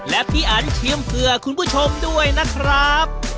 และพี่อันชิมเผื่อคุณผู้ชมด้วยนะครับ